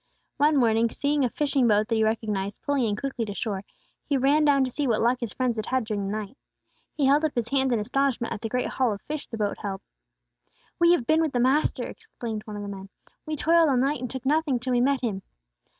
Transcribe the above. One morning, seeing a fishing boat that he recognized pulling in quickly to shore, he ran down to see what luck his friends had had during the night. He held up his hands in astonishment at the great haul of fish the boat held. "We have been with the Master," explained one of the men. "We toiled all night, and took nothing till we met Him."